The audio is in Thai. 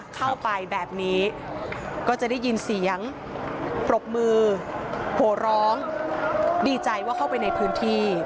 เข้าไปแบบนี้ก็จะได้ยินเสียงปรบมือโหร้องดีใจว่าเข้าไปในพื้นที่